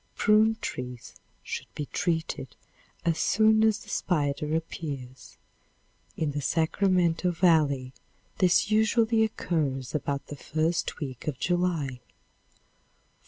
Prune trees should be treated as soon as the spider appears. In the Sacramento valley this usually occurs about the first week of July.